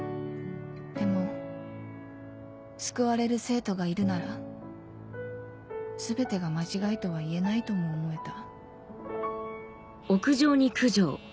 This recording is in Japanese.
でも救われる生徒がいるなら全てが間違いとは言えないとも思えた